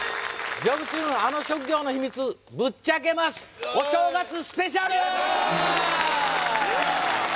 「ジョブチューンアノ職業のヒミツ」「ぶっちゃけます！」お正月スペシャル